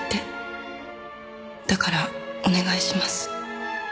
「だからお願いします」